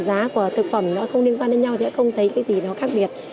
giá của thực phẩm nó không liên quan đến nhau thì cũng không thấy cái gì nó khác biệt